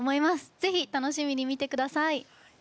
ぜひ楽しみに見てください。